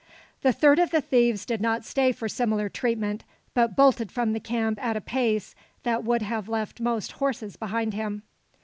The third of the thieves did not stay for similar treatment, but bolted from the camp at a pace that would have left most horses behind him.